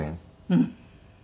うん。